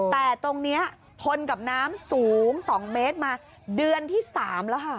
แต่ตรงนี้ทนกับน้ำสูง๒เมตรมาเดือนที่๓แล้วค่ะ